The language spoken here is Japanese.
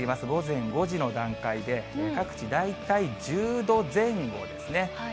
午前５時の段階で、各地大体１０度前後ですね。